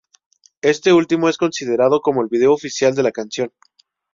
Este último es considerado como el vídeo oficial de la canción.